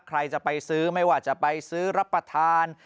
ใครจะไปซื้อไม่ว่าจะไปซื้อรับประทาน